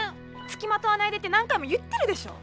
つきまとわないでって何回も言ってるでしょ。